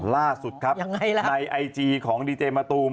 ล่าสุดครับยังไงล่ะในไอจีของดีเจมะตูม